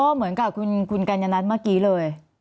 อ๋อเหมือนกับคุณกัญญนัทมากิไปเลย